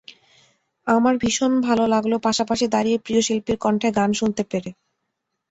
আমার ভীষণ ভালো লাগল পাশাপাশি দাঁড়িয়ে প্রিয় শিল্পীর কণ্ঠে গান শুনতে পেরে।